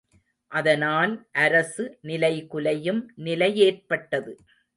அதனால், அரசு நிலைகுலையும் நிலையேற்பட்டது.